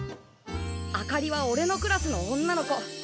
あかりはおれのクラスの女の子。